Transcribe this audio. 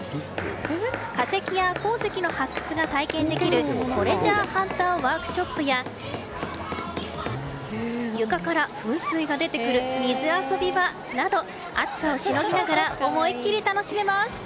化石や鉱石の発掘が体験できるトレジャーハンターワークショップや床から噴水が出てくる水遊び場など暑さをしのぎながら思いきり楽しめます。